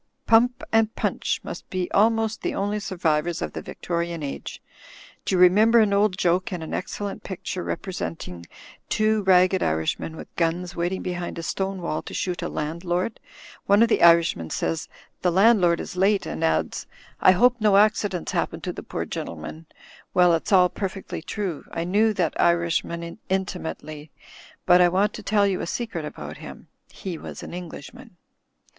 Pump and Punch must be almost the only survivors of the Victorian Age. Do you remember an old joke in an excellent picture, representing two ragged Irishmen with guns, waiting behind a stone wall to shoot a landlord? One of the Irishmen says the landlord is late, and adds, 1 190 THE FLYING INN hope no accident's happened to the poor gintleman/ Well, it's all perfectly true; I knew that Irishman in timately, but I want to tell you a secret about him. He was an Englishman."